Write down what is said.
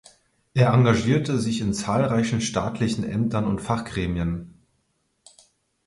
Er engagierte sich in zahlreichen staatlichen Ämtern und Fachgremien.